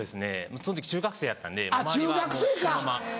その時中学生やったんで周りはもうそのまま。